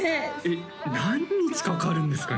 何日かかるんですかね？